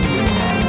pak aku mau ke sana